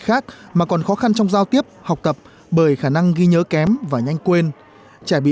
khác mà còn khó khăn trong giao tiếp học tập bởi khả năng ghi nhớ kém và nhanh quên trẻ bị